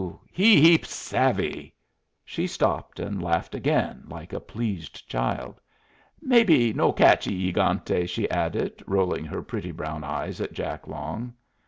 He heap savvy." She stopped, and laughed again, like a pleased child. "Maybe no catch E egante," she added, rolling her pretty brown eyes at Jack Long.